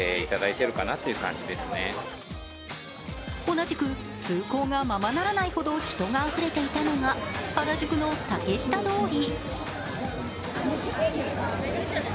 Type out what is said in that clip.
同じく、通行がままならないほど人があふれていたのが、原宿の竹下通り。